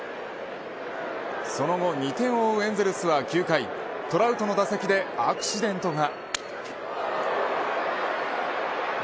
その後２点を追うエンゼルスは９回トラウトの打席でアクシデントが。